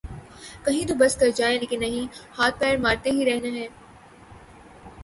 کہیں تو بس کر جائیں لیکن نہیں ‘ ہاتھ پیر مارتے ہی رہنا ہے۔